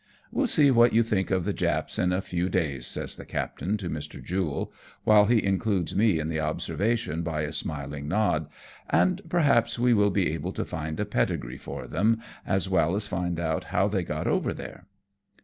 " We'll see what you think of the Japs in a few days," says the captain to Mr. Jule, while he includes me in his observation by a smiling nod, "and perhaps we will be able to find a pedigree for them, as well as find out how they got over there."